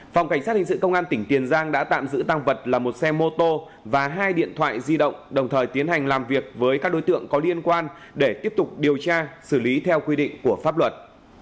phòng cảnh sát hình sự công an tỉnh tiền giang đã tạm giữ tăng vật là một xe mô tô và hai điện thoại di động đồng thời tiến hành làm việc với các đối tượng có liên quan để tiếp tục điều tra xử lý theo quy định của pháp luật